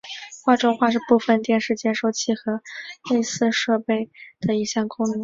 画中画是部分电视接收器和类似设备的一项功能。